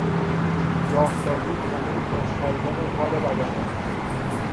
راهسازی هنوز مستلزم کار بدنی است.